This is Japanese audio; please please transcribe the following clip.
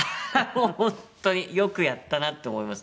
もう本当によくやったなって思います。